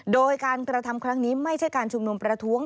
โดยการกระทำครั้งนี้ไม่ใช่การชุมนุมประท้วง